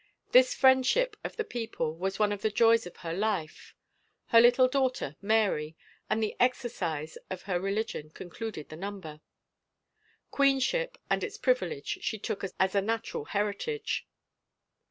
This friendship of the people was one of the joys of her life; her little daughter, Mary, and the exercise of her religion concluded the number. Queenship and its priv ilege she took as a natural heritage.